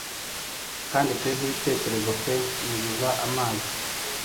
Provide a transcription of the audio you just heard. kandi pe nkibitekerezo pe yuzuza amazi.